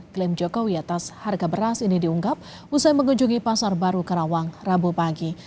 klaim jokowi atas harga beras ini diunggap usai mengunjungi pasar baru karawang rabu pagi